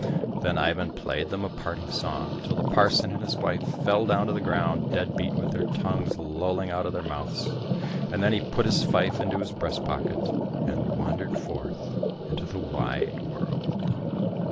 Then Ivan played them a parting song, till the parson and his wife fell down to the ground, dead beat, with their tongues lolling out of their mouths ; and then he put his fife into his breast pocket, and wandered forth into the wide world.